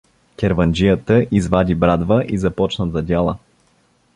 Керванджията извади брадва и започна да дяла.